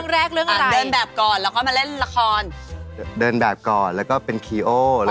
คือทำหน้าเฉเดิมเฉยผมก็เป็นโจร